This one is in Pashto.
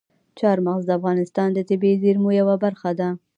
چار مغز د افغانستان د طبیعي زیرمو یوه برخه ده.